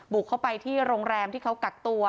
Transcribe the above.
บุกเข้าไปที่โรงแรมที่เขากักตัว